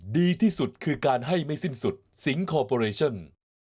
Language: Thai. ดีที่สุดคือการให้ไม่สิ้นสุดสิงคอร์ปอเรชั่น